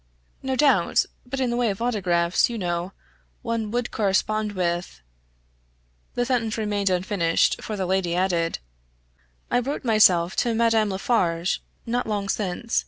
"No doubt; but in the way of autographs, you know, one would correspond with " The sentence remained unfinished, for the lady added, "I wrote myself to Madame Laffarge, not long since.